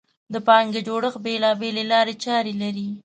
د پانګې جوړښت بېلابېلې لارې چارې لري.